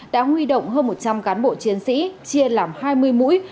đã huy động hơn một trăm linh cán bộ chiến sĩ chia làm hai mươi mũi